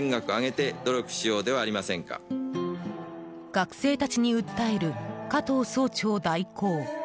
学生たちに訴える加藤総長代行。